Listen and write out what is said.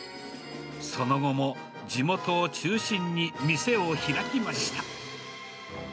その後も地元を中心に店を開きました。